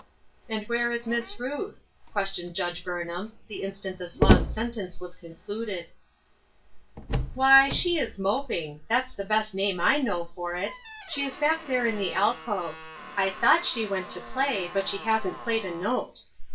"And where is Miss Ruth?" questioned Judge Burnham, the instant this ^ong sentence was concluded. " Why, she is moping — that's the best name I know for it. She is back there in the alcove. I thought she went to play, but she hasn't played a note.